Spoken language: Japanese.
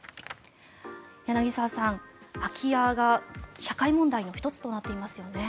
柳澤さん、空き家が社会問題の１つとなっていますよね。